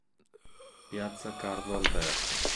Piazza Carlo Alberto